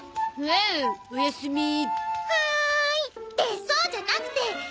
ってそうじゃなくて！